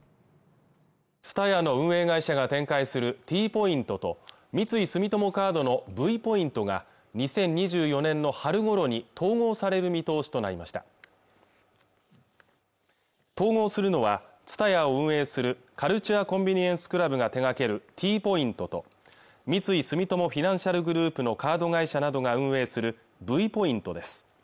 ＴＳＵＴＡＹＡの運営会社が展開するＴポイントと三井住友カードのＶポイントが２０２４年の春ごろに統合される見通しとなりました統合するのはＴＳＵＴＡＹＡを運営するカルチュア・コンビニエンス・クラブが手掛けるＴポイントと三井住友フィナンシャルグループのカード会社などが運営するＶポイントです